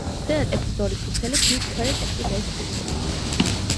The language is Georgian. ზედა ტექსტის ორი ფურცელი ქმნის ქვედა ტექსტის ერთ ფურცელს.